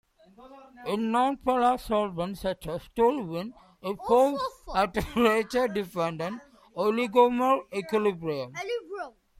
In nonpolar solvents such as toluene, it forms a temperature-dependent oligomer equilibrium.